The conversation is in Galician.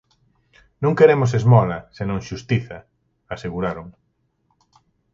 "Non queremos esmola, senón xustiza", aseguraron.